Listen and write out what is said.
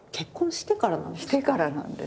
してからなんです。